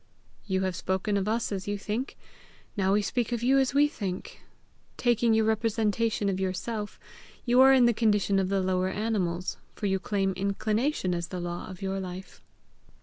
"You have spoken of us as you think; now we speak of you as we think. Taking your representation of yourself, you are in the condition of the lower animals, for you claim inclination as the law of your life."